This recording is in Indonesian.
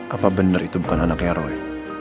apa benar itu bukan anaknya roy